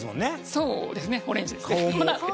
そうですねオレンジですね。